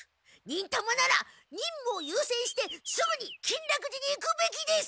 忍たまならにんむを優先してすぐに金楽寺に行くべきです！